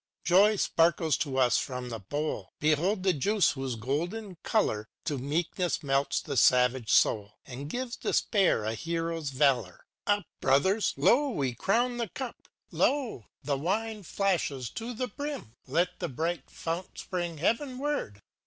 Joy sparkles to us from the bowl: Behold the juice whose golden color To meekness melts the savage soul. And gives Despair a hero's valor. r 19S96 JOHANN CHRISTOPH PRIEDRICH SCHILLER Up, brothers! Lo, we crown the ctip! Lo, the wine flashes to the brim! Let the bright fount spring heavenward!